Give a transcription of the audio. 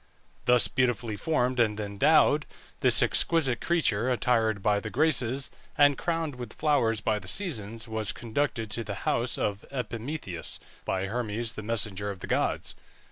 Thus beautifully formed and endowed, this exquisite creature, attired by the Graces, and crowned with flowers by the Seasons, was conducted to the house of Epimetheus by Hermes the messenger of the gods.